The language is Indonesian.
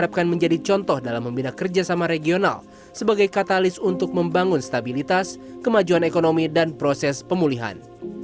diharapkan menjadi contoh dalam membina kerjasama regional sebagai katalis untuk membangun stabilitas kemajuan ekonomi dan proses pemulihan